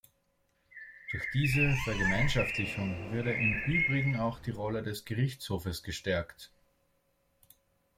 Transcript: Durch diese Vergemeinschaftlichung würde im übrigen auch die Rolle des Gerichtshofes gestärkt.